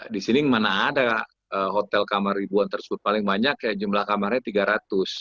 di sini mana ada hotel kamar ribuan tersebut paling banyak ya jumlah kamarnya tiga ratus